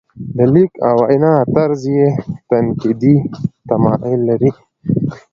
د لیک او وینا طرز یې تنقیدي تمایل لري.